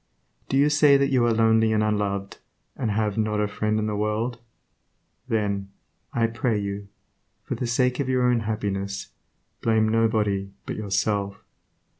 Do you say that you are lonely and unloved, and have "not a friend in the world"? Then, I pray you, for the sake of your own happiness, blame nobody but yourself.